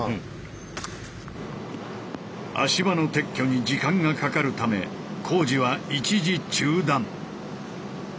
足場の撤去に時間がかかるため工事は一時中断。